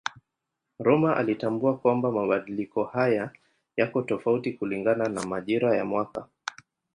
Rømer alitambua kwamba mabadiliko haya yako tofauti kulingana na majira ya mwaka.